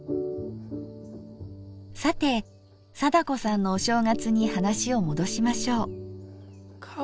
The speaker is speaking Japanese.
さて貞子さんのお正月に話を戻しましょう。